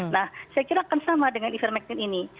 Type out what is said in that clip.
nah saya kira akan sama dengan ivermectin ini